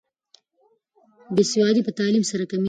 بې سوادي په تعلیم سره کمیږي.